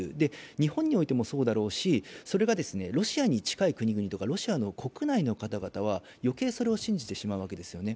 日本においてもそうだろうし、それがロシアに近い国々とか、ロシアの国内の方々は余計それを信じてしまうわけですよね。